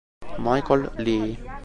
Michael Lee